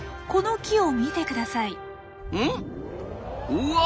うわ！